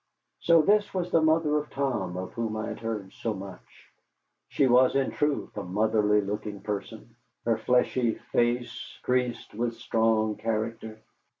So this was the mother of Tom, of whom I had heard so much. She was, in truth, a motherly looking person, her fleshy face creased with strong character.